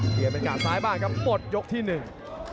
เปลี่ยนเป็นกาดซ้ายบ้างครับหมดยกที่หนึ่ง